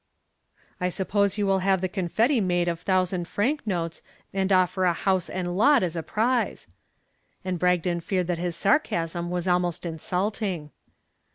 "I suppose you will have the confetti made of thousand franc notes, and offer a house and lot as a prize." And Bragdon feared that his sarcasm was almost insulting.